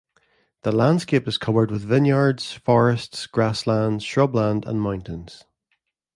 The landscape is covered with vineyards, forests, grasslands, shrubland and mountains.